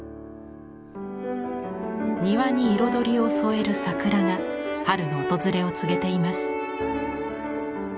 庭に彩りを添える桜が春の訪れを告げています。